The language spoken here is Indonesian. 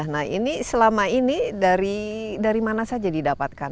nah ini selama ini dari mana saja didapatkan